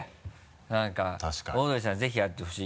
何か「オードリーさん、ぜひ会ってほしい」